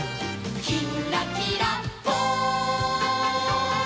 「きんらきらぽん」